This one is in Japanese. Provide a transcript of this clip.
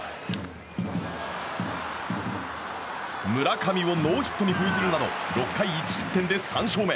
村上をノーヒットに封じるなど６回１失点で３勝目。